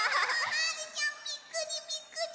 はるちゃんびっくりびっくり！